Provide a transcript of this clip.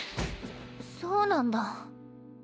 そそうなんだ。